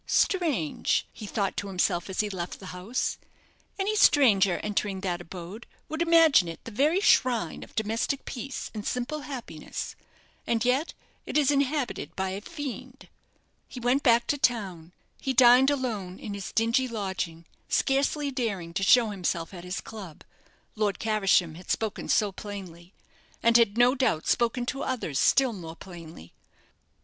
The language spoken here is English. "Strange!" he thought to himself, as he left the house; "any stranger entering that abode would imagine it the very shrine of domestic peace and simple happiness, and yet it is inhabited by a fiend." He went back to town. He dined alone in his dingy lodging, scarcely daring to show himself at his club Lord Caversham had spoken so plainly; and had, no doubt, spoken to others still more plainly.